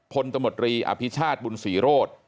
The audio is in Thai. ตมตรีอภิชาติบุญศรีโรธ